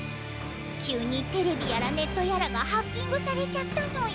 急にテレビやらネットやらがハッキングされちゃったのよ。